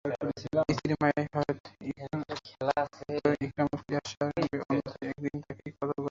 স্ত্রীর মায়ায় হয়ত ইকরামা ফিরে আসবে অন্যথায় একদিন তাকেই কতল করা হবে।